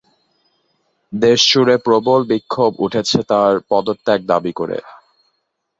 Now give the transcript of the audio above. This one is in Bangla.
দেশজুড়ে প্রবল বিক্ষোভ উঠেছে তাঁর পদত্যাগ দাবি করে।